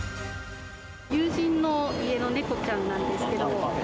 友人の家の猫ちゃんなんですけど。